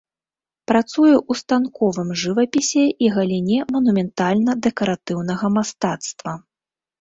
Працуе ў станковым жывапісе і галіне манументальна-дэкаратыўнага мастацтва.